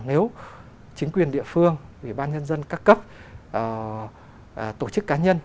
nếu chính quyền địa phương ủy ban nhân dân các cấp tổ chức cá nhân